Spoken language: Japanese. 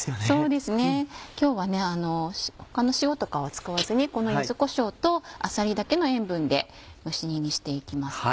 そうですね今日は他の塩とかは使わずにこの柚子こしょうとあさりだけの塩分で蒸し煮にしていきますね。